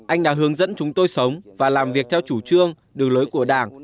anh đã hướng dẫn chúng tôi sống và làm việc theo chủ trương đường lối của đảng